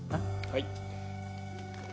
はい。